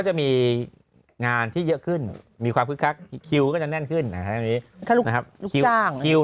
จะมีงานที่เยอะขึ้นมีความคึกคักคิวก็จะแน่นขึ้นนะครับ